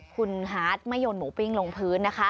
คุณฮาร์ดไม่โยนหมูปิ้งลงพื้นนะคะ